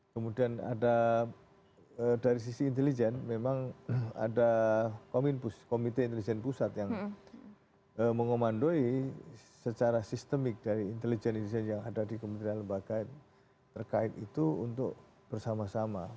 kemudian ada dari sisi intelijen memang ada komite intelijen pusat yang mengomandoi secara sistemik dari intelijen intelijen yang ada di kementerian lembaga terkait itu untuk bersama sama